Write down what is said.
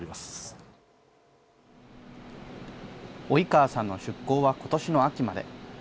及川さんの出向はことしの秋まで。